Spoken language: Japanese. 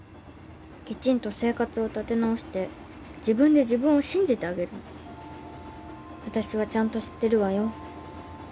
きちんと生活を立て直して自分で自分を信じてあげるの私はちゃんと知ってるわよ